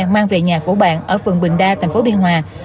mang về nhà của bạn ở phường bình đa tp biên hòa